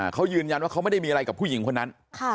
เขายืนยันว่าเขาไม่ได้มีอะไรกับผู้หญิงคนนั้น